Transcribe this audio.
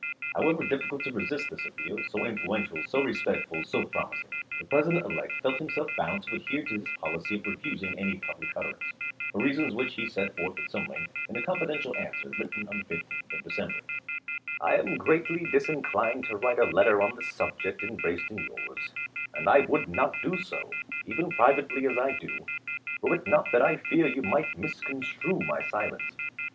However difficult to resist this appeal, so influen tial, so respectful, so promising, the President elect felt himself bound to adhere to his policy of refus ing any public utterance, for reasons which he set forth at some length in a confidential answer, written on the 15th of December: Gilmer to Lincoln, Dec. 10,1860 MS. I am greatly disinclined to write a letter on the sub ject embraced in yours ; and I would not do so, even privately as I do, were it not that I fear you might mis construe my silence.